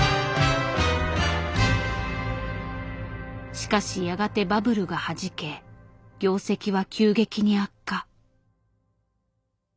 しかしやがてバブルがはじけ業績は急激に悪化。